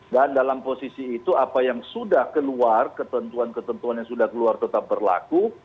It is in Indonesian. dan dalam posisi itu apa yang sudah keluar ketentuan ketentuan yang sudah keluar tetap berlaku